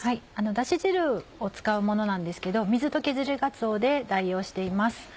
ダシ汁を使うものなんですけど水と削りがつおで代用しています。